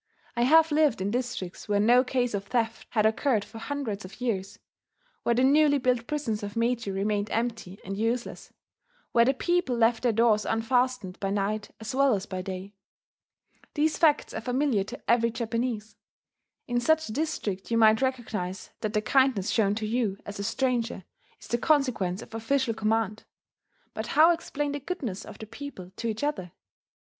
I have lived in districts where no case of theft had occurred for hundreds of years, where the newly built prisons of Meiji remained empty and useless, where the people left their doors unfastened by night as well as by day. These facts are familiar to every Japanese. In such a district, you might recognize that the kindness shown to you, as a stranger, is the consequence of official command; but how explain the goodness of the people to each other?